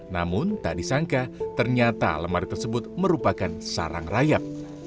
namun tak disangka ternyata lemari tersebut merupakan sarang rayap